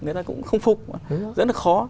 người ta cũng không phục rất là khó